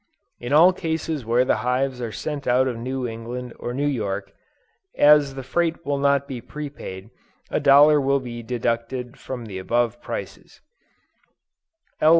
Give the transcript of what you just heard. In all cases where the hives are sent out of New England or New York, as the freight will not be prepaid, a dollar will be deducted from the above prices. Address L.